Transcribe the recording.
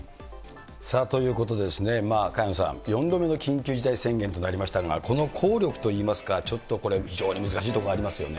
ということでですね、萱野さん、４度目の緊急事態宣言となりましたが、この効力といいますか、ちょっとこれ、非常に難しいところありますよね。